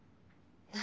何？